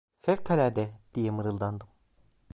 "Fevkalade!" diye mırıldandım.